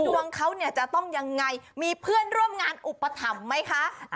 ดวงเขาเนี่ยจะต้องยังไงมีเพื่อนร่วมงานอุปถัมภ์ไหมคะ